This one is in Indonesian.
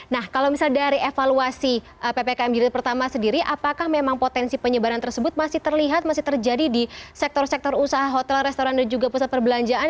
nah kalau misalnya dari evaluasi ppkm jilid pertama sendiri apakah memang potensi penyebaran tersebut masih terlihat masih terjadi di sektor sektor usaha hotel restoran dan juga pusat perbelanjaan